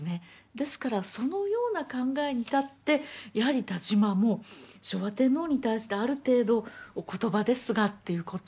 ですからそのような考えに立ってやはり田島も昭和天皇に対してある程度お言葉ですがということ